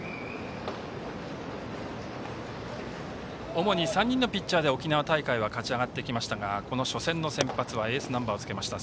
主に３人のピッチャーで沖縄大会は勝ち上がってきましたが初戦の先発はエースナンバーをつけました